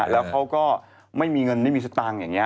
แล้วเขาก็ไม่มีเงินไม่มีสตางค์อย่างนี้